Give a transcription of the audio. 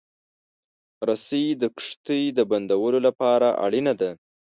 رسۍ د کښتۍ د بندولو لپاره اړینه ده.